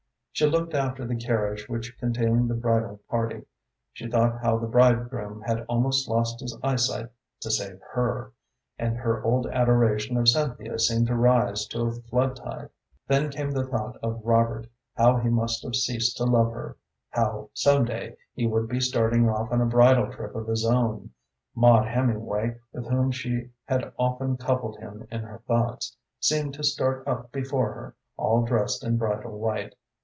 She looked after the carriage which contained the bridal party; she thought how the bridegroom had almost lost his eyesight to save her, and her old adoration of Cynthia seemed to rise to a flood tide. Then came the thought of Robert, how he must have ceased to love her how some day he would be starting off on a bridal trip of his own. Maud Hemingway, with whom she had often coupled him in her thoughts, seemed to start up before her, all dressed in bridal white.